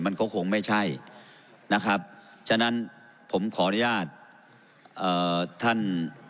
มันก็คงไม่ใช่นะครับฉะนั้นผมขออนุญาตเอ่อท่าน